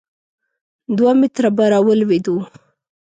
دوه متره به را ولوېدو.